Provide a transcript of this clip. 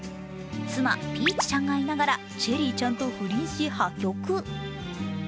妻・ピーチちゃんがいながらチェリーちゃんと不倫し、破局。